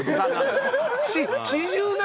４７！？